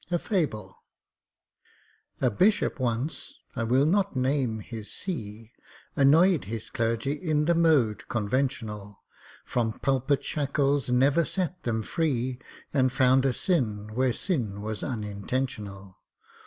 A FABLE A BISHOP once—I will not name his see— Annoyed his clergy in the mode conventional; From pulpit shackles never set them free, And found a sin where sin was unintentional.